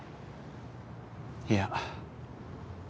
いや。